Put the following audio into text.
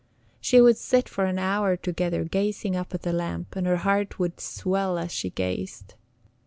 She would sit for an hour together gazing up at the lamp, and her heart would swell as she gazed.